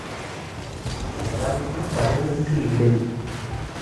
இரந்தும் பருந்துக்கு இடு.